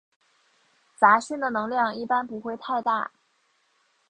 杂讯的能量一般不会太大。